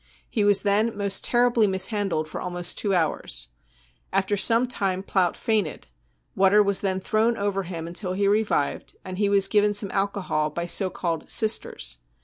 He was then most terribly mishandled for almost two hours. After some time Plaut fainted ; water was then thrown over him until he revived, when he was given some alcohol j by so called £ sisters.